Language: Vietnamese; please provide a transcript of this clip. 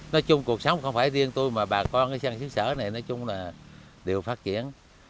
nói chung cuộc sống không phải riêng tôi mà bà con cái sân xứ sở này nói chung là đều phát triển